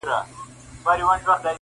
په روغتون کي شل پنځه ویشت شپې دېره سو-